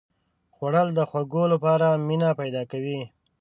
خوړل د خوږو لپاره مینه پیدا کوي